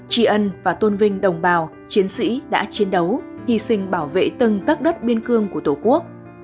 tri ân và tôn vinh đồng bào chiến sĩ đã chiến đấu hy sinh bảo vệ từng tất đất biên cương của tổ quốc